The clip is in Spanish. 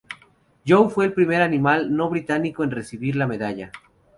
Joe fue el primer animal no británico en recibir la medalla.